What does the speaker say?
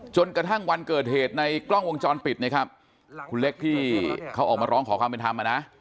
จนกระทั่งวันเกิดเหตุในกล้องวงจรปิดนะครับคุณเล็กที่เขาออกมาร้องขอความเป็นธรรมอ่ะนะ